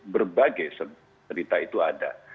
berbagai cerita itu ada